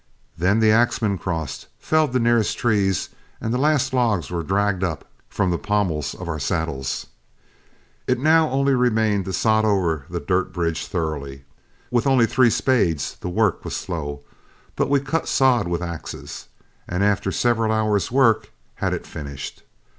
Then the axemen crossed, felled the nearest trees, and the last logs were dragged up from the pommels of our saddles. It now only remained to sod over and dirt the bridge thoroughly. With only three spades the work was slow, but we cut sod with axes, and after several hours' work had it finished.